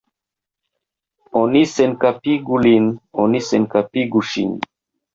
Oni senkapigu lin, oni senkapigu ŝin!